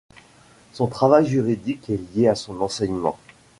Son travail juridique est lié à son enseignement.